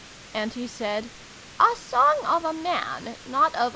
And he said ' A song of a man, not of a lady.'